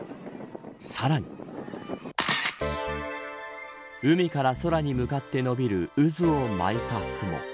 さらに海から空に向かって伸びる渦を巻いた雲。